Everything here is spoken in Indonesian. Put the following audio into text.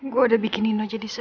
sampai jumpa di video selanjutnya